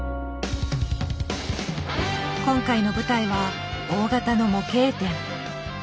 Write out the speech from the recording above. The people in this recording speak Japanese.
今回の舞台は大型の模型店。